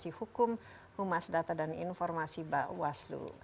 komunikasi hukum humas data dan informasi bawaslu